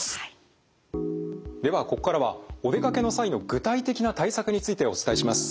ではここからはお出かけの際の具体的な対策についてお伝えします。